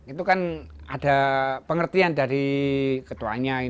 itu kan ada pengertian dari ketuanya